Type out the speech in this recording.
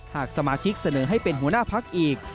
หากสมาชิกเสนอให้เป็นหัวหน้าพักอีก